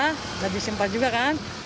bisa disempat juga kan